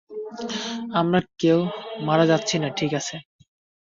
আমরা কেউ মারা যাচ্ছি না, ঠিক আছে?